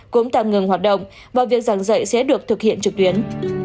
cũng tạm ngừng hoạt động và việc giảng dạy sẽ được thực hiện trực tuyến